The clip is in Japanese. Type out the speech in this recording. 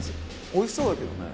おいしそうだけどね。